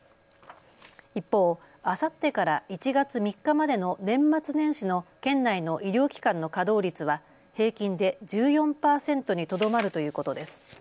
一方、あさってから１月３日までの年末年始の県内の医療機関の稼働率は平均で１４％にとどまるということです。